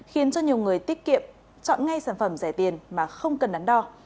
khiến cho nhiều người tiết kiệm chọn ngay sản phẩm rẻ tiền mà không cần nắn đo